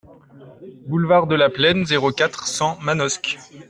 Boulevard de la Plaine, zéro quatre, cent Manosque